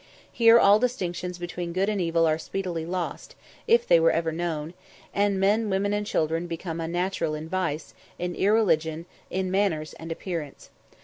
Here all distinctions between good and evil are speedily lost, if they were ever known; and men, women, and children become unnatural in vice, in irreligion, in manners and appearance.